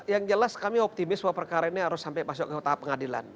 yang jelas kami optimis bahwa perkara ini harus sampai masuk ke tahap pengadilan